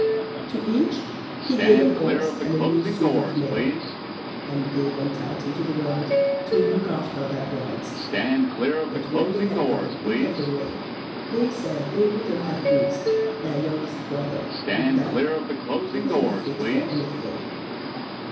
To each he gave a horse and a new suit of mail, and they went out into the world to look after their brides; but when they had gone a bit of the way, they said they wouldn't have Boots, their youngest brother, with them—he wasn't fit for anything.